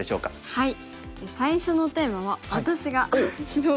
はい。